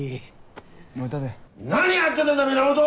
何やってたんだ源！